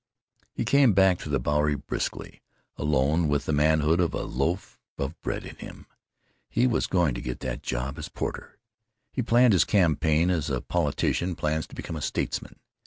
He came back to the Bowery briskly, alone, with the manhood of a loaf of bread in him. He was going to get that job as porter. He planned his campaign as a politician plans to become a statesman.